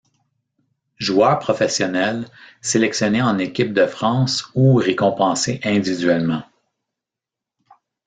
Joueurs professionnels, sélectionnés en équipe de France ou récompensés individuellement.